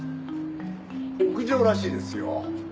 屋上らしいですよ。